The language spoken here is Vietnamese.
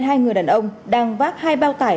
hai người đàn ông đang vác hai bao tải